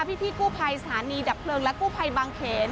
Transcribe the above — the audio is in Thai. พี่กู้ภัยสถานีดับเพลิงและกู้ภัยบางเขน